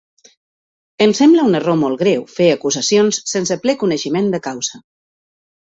Em sembla un error molt greu fer acusacions sense ple coneixement de causa.